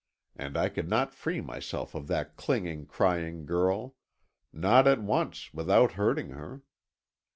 And I could not free myself of that clinging, crying girl. Not at once, without hurting her.